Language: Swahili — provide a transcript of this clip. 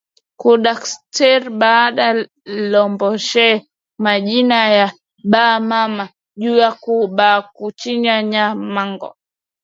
Ku cadastre bana lombbesha ma jina ya ba mama njuya ku ba kachiya ma pango